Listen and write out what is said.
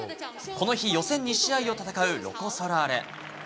この日、予選２試合を戦うロコ・ソラーレ。